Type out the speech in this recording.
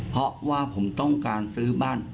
เพราะว่าผมต้องการซื้อบ้าน